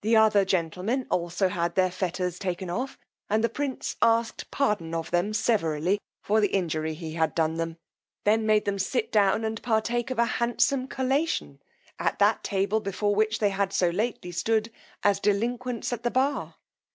The other gentlemen had also their fetters taken off, and the prince asked pardon of them severally for the injury he had done them; then made them sit down and partake of a handsome collation at that table, before which they had so lately stood as delinquents at a bar.